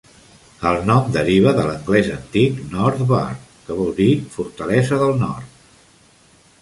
El nom deriva de l'anglès antic "north burh" que vol dir "fortalesa del nord".